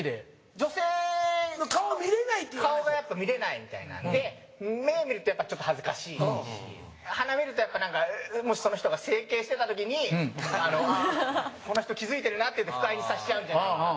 女性の顔が、やっぱ見れないみたいなので目見ると、やっぱちょっと恥ずかしいし鼻見ると、やっぱ、なんかもし、その人が整形してた時にこの人、気付いてるなって不快にさせちゃうんじゃないか。